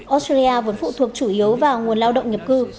australia vẫn phụ thuộc chủ yếu vào nguồn lao động nhập cư